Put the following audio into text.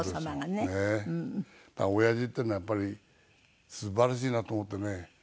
だからおやじっていうのはやっぱり素晴らしいなと思ってね。